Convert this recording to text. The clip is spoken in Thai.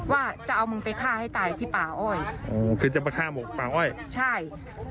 ว่าจะเอามึงไปฆ่าให้ตายที่ป่าอ้อยโอ้คือจะมาฆ่าหมกป่าอ้อยใช่